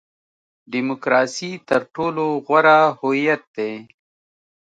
ډیموکراسي تر ټولو غوره هویت دی.